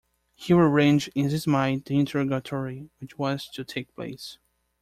He arranged in his mind the interrogatory which was to take place.